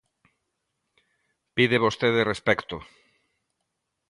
Pide vostede respecto.